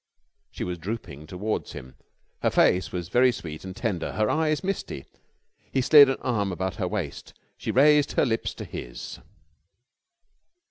She was drooping towards him. Her face was very sweet and tender, her eyes misty. He slid an arm about her waist. She raised her lips to his.